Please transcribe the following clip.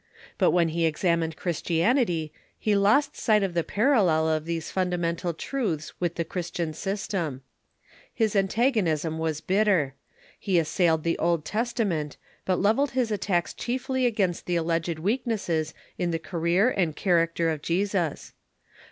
But when he examined Christianity, he lost sight of the parallel of these fundamental truths with the Christian system. His antag onism was bitter. He assailed the Old Testament, but lev elled his attacks chiefly against the alleged weaknesses in the 33 THE EARLY CHURCH career and character of Jesus.